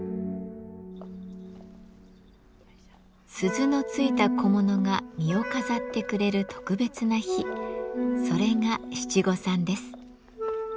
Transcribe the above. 鈴のついた小物が身を飾ってくれる特別な日それが七五三です。